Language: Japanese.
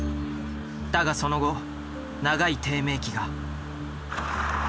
だがその後長い低迷期が。